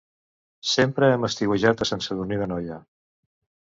Sempre hem estiuejat a Sant Sadurní d'Anoia.